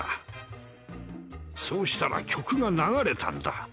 そうしたら曲が流れたんだ。